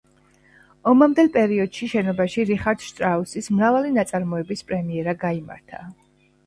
ომამდელ პერიოდში შენობაში რიხარდ შტრაუსის მრავალი ნაწარმოების პრემიერა გაიმართა.